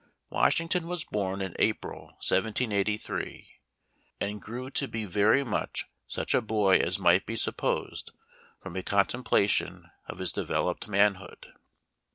Washington was born in April, 1783, and grew to be very much such a boy as might be supposed from a contemplation of his developed manhood.